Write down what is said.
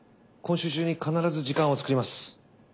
今週中に必ず時間を作ります。